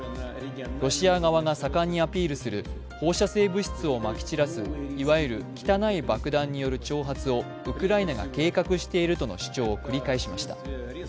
ロシア側が盛んにアピールする放射性物質をまき散らす、いわゆる汚い爆弾による挑発を、ウクライナが計画しているとの主張を繰り返しました。